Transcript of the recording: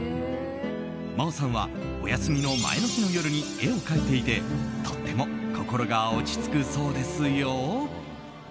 真央さんはお休みの前の日の夜に絵を描いていてとっても心が落ち着くそうですよ。